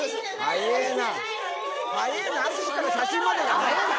早えぇな握手から写真までが早えぇな。